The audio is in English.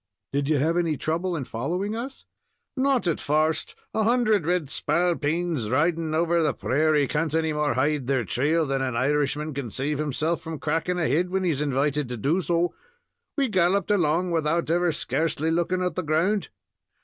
"Did you have any trouble in following us?" "Not at first; a hundred red spalpeens riding over the prairie can't any more hide their trail than an Irishman can save himself from cracking a head when he is invited to do so. We galloped along, without ever scarcely looking at the ground.